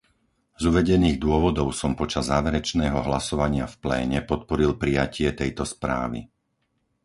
Z uvedených dôvodov som počas záverečného hlasovania v pléne podporil prijatie tejto správy.